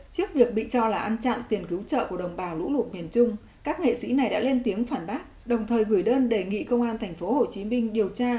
trước việc bị cho là ăn chặn tiền cứu trợ của đồng bào lũ lụt miền trung các nghệ sĩ này đã lên tiếng phản bác đồng thời gửi đơn đề nghị công an tp hcm điều tra việc mình bị vu khống